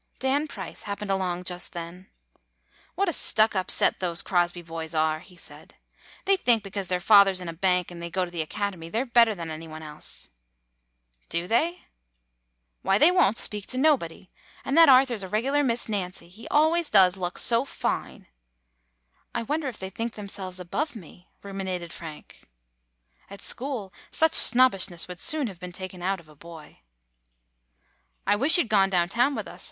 Dan Price happened along just then. "What a stuck up set those Crosby boys are,'' he said. "They think because their father 's in a bank and they go to the Acad emy, they 're better than any one else." "Do they?" "Why, they won't speak to anybody. And that Arthur 's a regular Miss Nancy. He always does look so fine." "I wonder if they think themselves above me?" ruminated Frank. At school such snobbishness would soon have been taken out of a boy. "I wish you 'd gone down town with us.